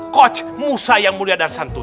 coach musa yang mulia dan santu